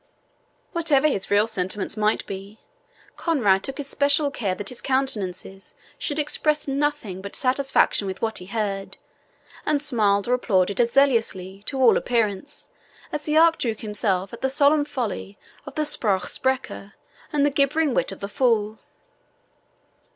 Whatever his real sentiments might be, Conrade took especial care that his countenance should express nothing but satisfaction with what he heard, and smiled or applauded as zealously, to all appearance, as the Archduke himself at the solemn folly of the SPRUCH SPRECHER and the gibbering wit of the fool.